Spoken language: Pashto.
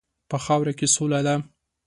په خاوره کې سوله ده.